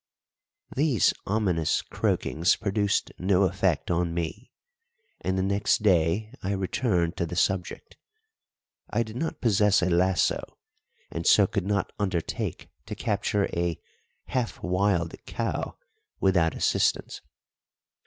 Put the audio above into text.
These ominous croakings produced no effect on me, and the next day I returned to the subject. I did not possess a lasso, and so could not undertake to capture a half wild cow without assistance.